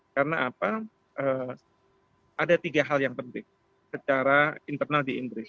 karena apa ada tiga hal yang penting secara internal di inggris